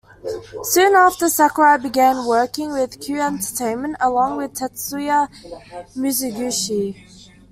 Soon after, Sakurai began working with Q Entertainment, along with Tetsuya Mizuguchi.